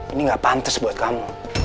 ini gak pantas buat kamu